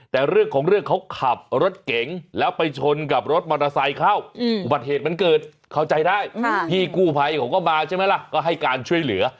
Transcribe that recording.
แต่เรื่องของเรื่องเขาขับรถเก๋งแล้วไปชนกับรถมอเตอร์ไซค์เข้าอุบัติเหตุมันเกิดเข้าใจได้พี่กู้ภัยเขาก็มาใช่ไหมล่ะก็ให้การช่วยเหลือ